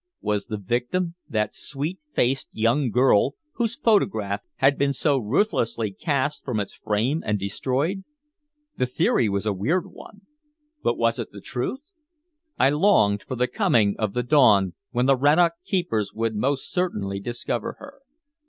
Was the victim that sweet faced young girl whose photograph had been so ruthlessly cast from its frame and destroyed? The theory was a weird one, but was it the truth? I longed for the coming of the dawn when the Rannoch keepers would most certainly discover her.